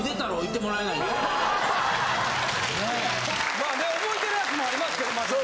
まあね覚えてるやつもありますけど松本さん。